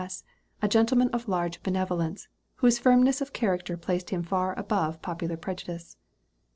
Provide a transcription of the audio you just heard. S., a gentleman of large benevolence, whose firmness of character placed him far above popular prejudice.